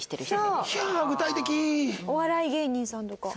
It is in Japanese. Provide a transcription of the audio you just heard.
お笑い芸人さんとか。